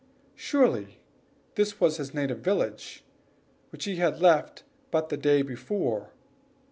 Surely this was his native village, which he had left but the day before.